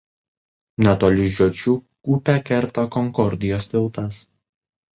Netoli žiočių upę kerta Konkordijos tiltas.